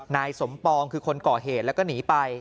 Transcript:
นายสมปองคือคนก่อเหตุแล้วก็หนีไป